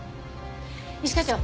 一課長。